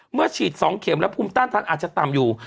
เมื่อฉีด๒เข็มแล้วภูมิต้านตันอาจจะต่ำอยู่